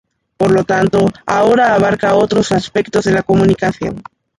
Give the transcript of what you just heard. Por lo tanto, ahora abarca otros aspectos de la comunicación.